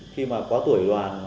khi mà quá tuổi